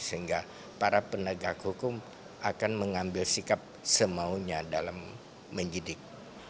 sehingga para penegak hukum akan mengambil sikap semaunya dalam menyidik